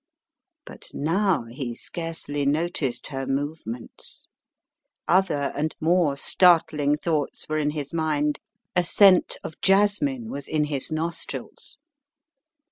But now he scarcely noticed her movements. Other and more startling thoughts were in his mind. A scent of jasmine was in his nostrils.